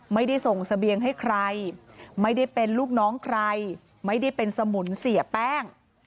ไม่ได้ส่งเสบียงให้ใครไม่ได้เป็นลูกน้องใครไม่ได้เป็นสมุนเสียแป้ง